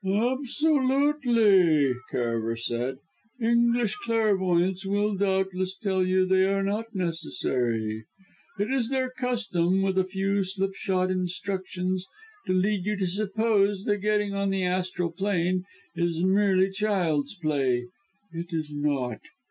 "Absolutely," Karaver said. "English clairvoyants will, doubtless, tell you they are not necessary. It is their custom, with a few slipshod instructions, to lead you to suppose that getting on the Astral Plane is mere child's play. It is not!